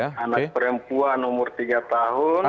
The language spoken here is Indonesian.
anak perempuan umur tiga tahun